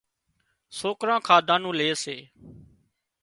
سوڪران کاڌا نُون لي سي